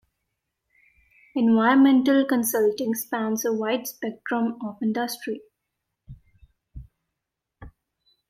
Environmental consulting spans a wide spectrum of industry.